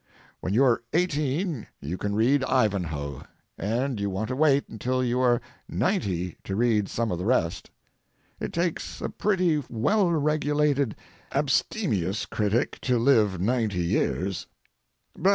When you're eighteen you can read Ivanhoe, and you want to wait until you are ninety to read some of the rest. It takes a pretty well regulated, abstemious critic to live ninety years.